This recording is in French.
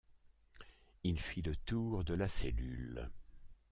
Il fit le tour de la cellule.